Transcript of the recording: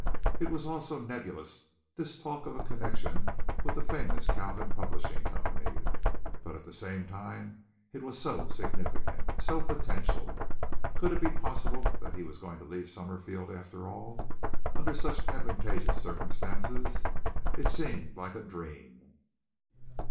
It was all so nebulous, this talk of a connection with the famous Kalvin Publishing Company; but at the same time it was so significant, so potential. Could it be possible that he was going to leave Summerfield, after all, and under such advantageous circumstances? It seemed like a dream.